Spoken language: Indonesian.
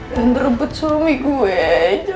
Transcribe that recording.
jangan rebut suami gue ya